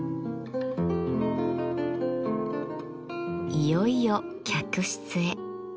いよいよ客室へ。